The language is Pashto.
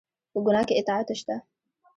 په ګناه کې اطاعت شته؟